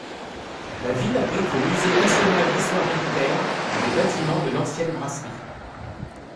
La ville abrite le Musée national d'histoire militaire dans les bâtiments de l’ancienne brasserie.